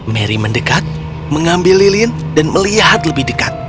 mary mendekat mengambil lilin dan melihat lebih dekat